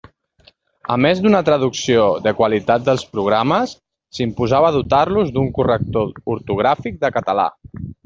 A més d'una traducció de qualitat dels programes, s'imposava dotar-los d'un corrector ortogràfic de català.